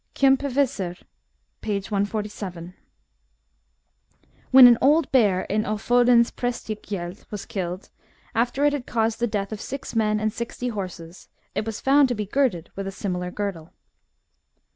Kjampeviter, p. 147. When an old bear in Ofodens PrSBstegjeld was killed, after it had caused the death of six men and sixty horses, it was found to be girded with a similar girdle.